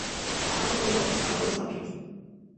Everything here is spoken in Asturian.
La ma sorrió, afalagó-y los papinos.